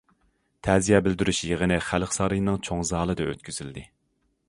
تەزىيە بىلدۈرۈش يىغىنى خەلق سارىيىنىڭ چوڭ زالىدا ئۆتكۈزۈلدى.